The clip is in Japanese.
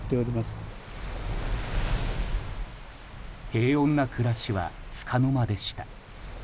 平穏な暮らしはつかの間でした。